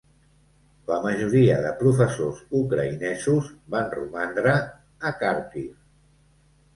La majoria de professors ucraïnesos van romandre a Kharkiv.